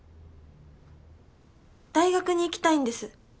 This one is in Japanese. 大学に行きたいんです。